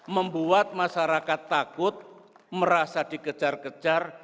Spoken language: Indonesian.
membuat masyarakat takut merasa dikejar kejar